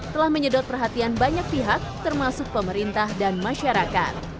telah menyedot perhatian banyak pihak termasuk pemerintah dan masyarakat